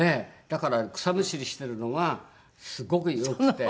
だから草むしりしてるのがすごく良くて。